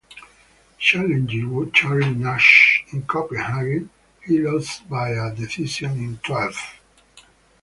Challenging Charlie Nash in Copenhagen, he lost by a decision in twelve.